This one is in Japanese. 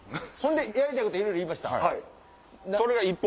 やりたいこといろいろ言いました。